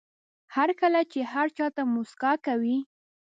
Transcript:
هر کله چې هر چا ته موسکا کوئ.